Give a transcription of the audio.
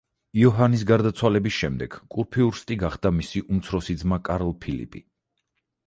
იოჰანის გარდაცვალების შემდეგ კურფიურსტი გახდა მისი უმცროსი ძმა კარლ ფილიპი.